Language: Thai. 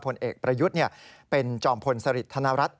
ผลเอกประยุทธ์เป็นจอมพลสริทธนรัฐ